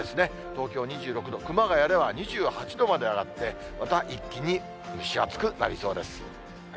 東京２６度、熊谷では２８度まで上がって、また一気に蒸し暑くなりそうです。